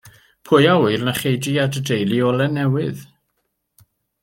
Pwy a ŵyr na chei di a dy deulu olau newydd.